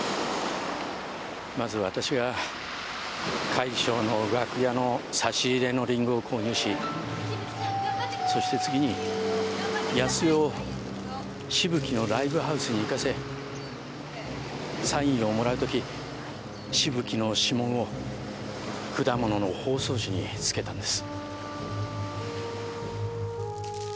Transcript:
まず私が快笑の楽屋の差し入れのリンゴを購入しそして次に康代をしぶきのライブハウスに行かせサインをもらう時しぶきの指紋を果物の包装紙に付けたんです。